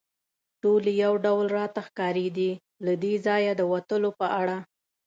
ټولې یو ډول راته ښکارېدې، له دې ځایه د وتلو په اړه.